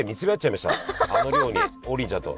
あの量に王林ちゃんと。